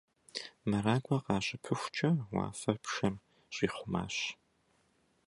МэракӀуэ къащыпыхукӀэ, уафэр пшэм щӀихъумащ.